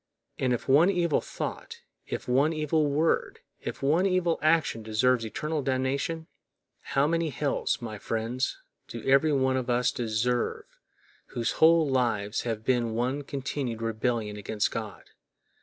And if one evil thought, if one evil word, if one evil action deserves eternal damnation, how many hells, my friends, do every one of us deserve whose whole lives have been one continued rebellion against God!